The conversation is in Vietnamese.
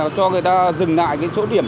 cho người ta dừng lại cái chỗ điểm